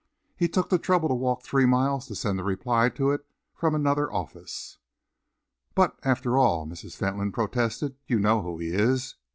He took the trouble to walk three miles to send the reply to it from another office." "But after all," Mrs. Fentolin protested, "you know who he is.